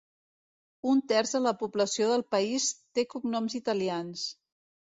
Un terç de la població del país té cognoms italians.